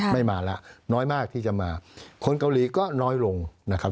ไม่มาแล้วน้อยมากที่จะมาคนเกาหลีก็น้อยลงนะครับ